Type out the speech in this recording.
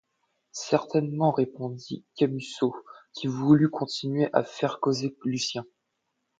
Certainement, répondit Camusot qui voulut continuer à faire causer Lucien.